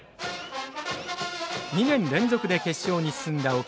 ２年連続で決勝に進んだ沖縄水産。